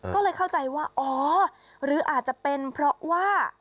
ก็เลยเข้าใจว่าอ๋อหรืออาจจะเป็นเพราะว่า